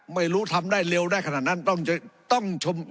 ไม่รู้ทำได้เร็วได้ขนาดนั้น